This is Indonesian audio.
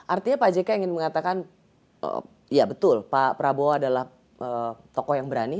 artinya pak jk ingin mengatakan ya betul pak prabowo adalah tokoh yang berani